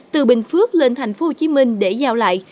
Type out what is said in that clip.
từ bình phước lên tp hcm để giao lại